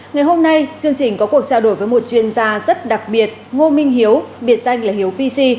ngày hôm nay chương trình có cuộc trao đổi với một chuyên gia rất đặc biệt ngô minh hiếu biệt danh là hiếu pc